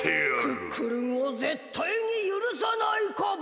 クックルンをぜったいにゆるさないカボ！